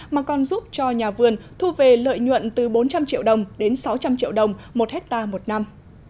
mà còn giúp cho nhà vườn thu về lợi nhuận từ bốn trăm linh triệu đồng đến sáu trăm linh triệu đồng một hectare một năm